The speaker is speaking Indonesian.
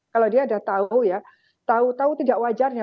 kalau dia sudah tahu ya tahu tahu tidak wajarnya